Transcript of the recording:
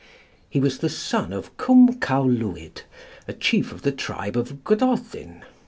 He was the son of Cwm Cawlwyd, a chief of the tribe of Gododin.